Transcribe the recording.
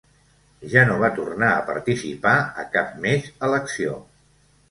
Ja no va tornar a participar a cap més elecció.